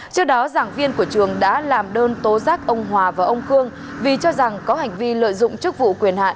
trước đó giảng viên của trường đã làm đơn tố giác ông hòa và ông khương vì cho rằng có hành vi lợi dụng chức vụ quyền hạn